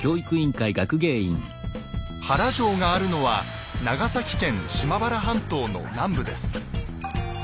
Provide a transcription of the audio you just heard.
原城があるのは長崎県島原半島の南部です。